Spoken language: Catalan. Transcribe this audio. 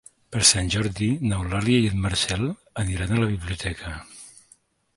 Per Sant Jordi n'Eulàlia i en Marcel aniran a la biblioteca.